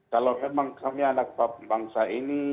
kalau memang kami anak bangsa ini